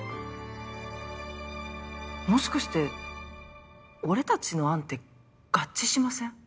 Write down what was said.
もしかして俺たちの案って合致しません？